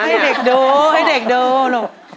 ให้เด็กดูให้เด็กดูลูก